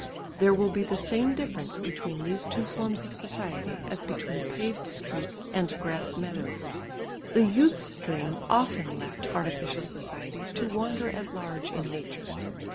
There will be the same difference between these two forms of society as between paved streets and grass meadows. The youth's dream often left artificial society to wander at large in nature.